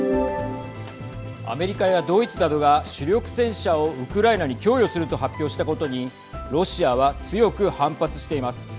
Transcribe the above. アメリカやドイツなどが主力戦車をウクライナに供与すると発表したことにロシアは強く反発しています。